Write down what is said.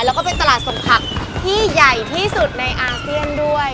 แล้วก็เป็นตลาดส่งผักที่ใหญ่ที่สุดในอาเซียนด้วย